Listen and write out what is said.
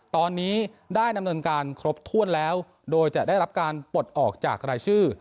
ตอนนี้ได้ดำเนินการครบถ้วนแล้วโดยจะได้รับการปลดออกจากรายชื่อ